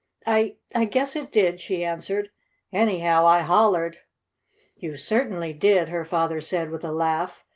"I I guess it did," she answered. "Anyhow I hollered." "You certainly did," her father said with a laugh.